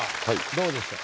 どうでしょう？